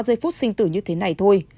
dây phút sinh tử như thế này thôi